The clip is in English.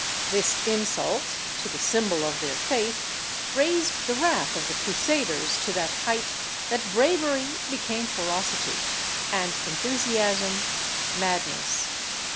This insult to the symbol of their faith raised the wrath of the Crusaders to that height that bravery became ferocity, and enthusiasm madness.